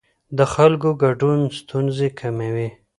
د خلکو ګډون ستونزې کموي